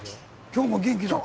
「今日も元気だ！」。